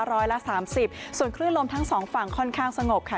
ร้อยละสามสิบส่วนคลื่นลมทั้งสองฝั่งค่อนข้างสงบค่ะ